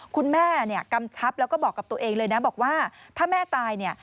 คุณแม่เนี่ยกำชับแล้วก็บอกกับตัวเองเลยนะบอกว่าถ้าแม่ตายเนี่ย